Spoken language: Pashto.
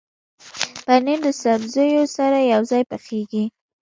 پنېر د سبزیو سره یوځای پخېږي.